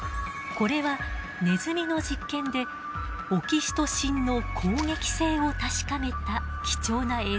これはネズミの実験でオキシトシンの攻撃性を確かめた貴重な映像です。